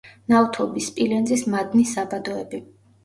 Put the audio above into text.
ნავთობის, სპილენძის მადნის საბადოები.